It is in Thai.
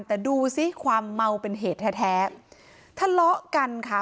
แต่ดูสิความเมาเป็นเหตุแท้แท้ทะเลาะกันค่ะ